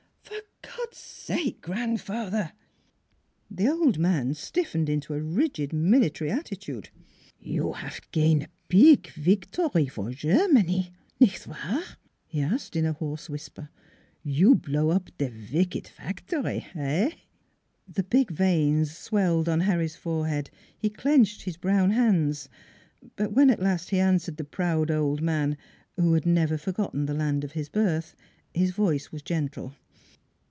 "For God's sake, grandfa* ther!" NEIGHBORS 331 The old man stiffened into a rigid military attitude. 4 You haf gain pig victory for Germany nicht wahrf " he asked in a hoarse whisper. "You blow up der vicked factory heh?" The big veins swelled on Harry's forehead. He clenched his brown hands. But when at last he answered the proud old man, who had never forgotten the land of his birth, his voice was gentle.